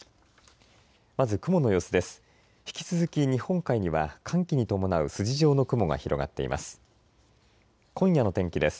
まず雲の様子です。